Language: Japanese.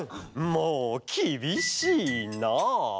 もうきびしいなあ。